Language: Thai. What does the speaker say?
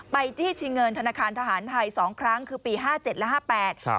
ไปจี้ทีเงินธนาคารทหารไทย๒ครั้งคือปี๕๗และ๕๘